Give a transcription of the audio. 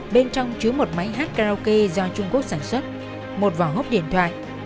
bên trong chứa một máy hát karaoke do trung quốc sản xuất một vỏ hốc điện thoại